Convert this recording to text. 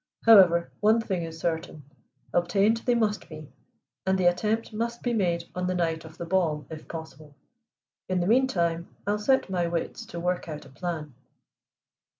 However, one thing is certain, obtained they must be, and the attempt mast be made on the night of the ball if possible. In the meantime I'll set my wits to work upon a plan."